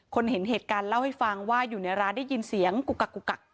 เห็นเหตุการณ์เล่าให้ฟังว่าอยู่ในร้านได้ยินเสียงกุกกักกุกกัก